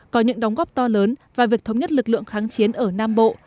có những đóng góp to lớn và việc thống nhất lực lượng kháng chiến ở nam bộ